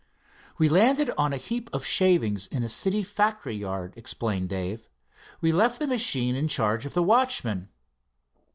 "We landed on a heap of shavings in a city factory yard," explained Dave. "We left the machine in charge of the watchman."